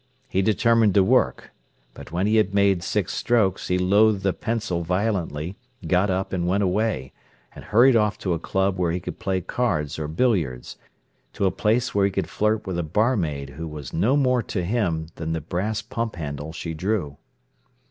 He determined to work. But when he had made six strokes, he loathed the pencil violently, got up, and went away, hurried off to a club where he could play cards or billiards, to a place where he could flirt with a barmaid who was no more to him than the brass pump handle she drew.